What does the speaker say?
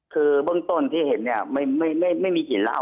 คือเบื้องต้นที่เห็นเนี่ยไม่มีกลิ่นเหล้า